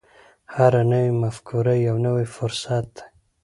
هره نوې مفکوره یو نوی فرصت دی.